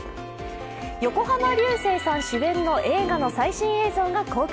横浜流星さん主演の映画の最新映像が公開。